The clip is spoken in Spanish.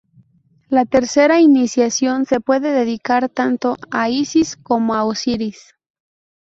La tercera iniciación se puede dedicar tanto a Isis como a Osiris.